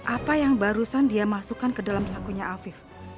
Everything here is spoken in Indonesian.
apa yang barusan dia masukkan ke dalam sakunya afif